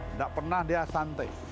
nggak pernah dia santai